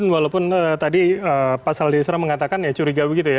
walaupun tadi pak saldeh isra mengatakan ya curiga begitu ya